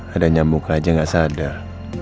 ada nyambuk aja gak sadar